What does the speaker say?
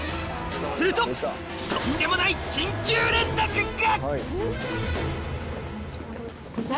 するととんでもない緊急連絡が！